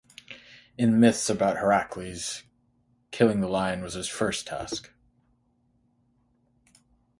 In myths about Heracles, killing the lion was his first task.